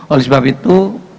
oleh sebab itu